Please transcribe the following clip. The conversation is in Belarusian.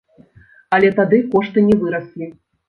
Але тады кошты не выраслі.